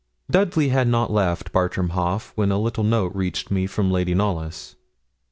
Dudley had not left Bartram Haugh when a little note reached me from Lady Knollys.